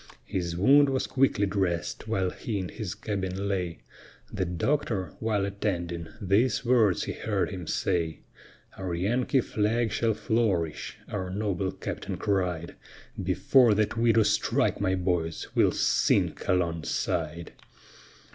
His wound was quickly dress'd, while he in his cabin lay; The doctor, while attending, these words he heard him say: "Our Yankee flag shall flourish," our noble captain cried, "Before that we do strike, my boys, we'll sink alongside."